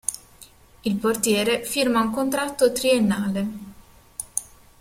Il portiere firma un contratto triennale.